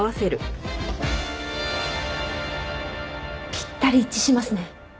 ぴったり一致しますね。